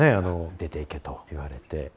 出て行けと言われて。